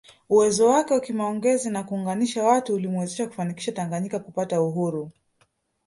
Uwezo wake wa kimaongezi na kuunganisha watu ulimwezesha kufanikisha Tanganyika kupata uhuru